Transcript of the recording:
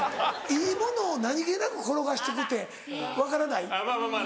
いいものを何げなく転がしとくって分からない？